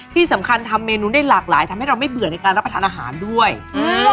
ที่สำคัญทำเมนูได้หลากหลายทำให้เราไม่เบื่อในการรับประทานอาหารด้วยเออ